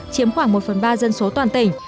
chiếm khoảng một phần ba dân số toàn tỉnh